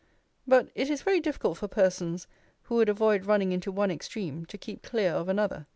But it is very difficult for persons, who would avoid running into one extreme, to keep clear of another.